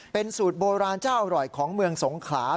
เป็นสูตรโบราณเจ้าอร่อยของเมืองสงขลา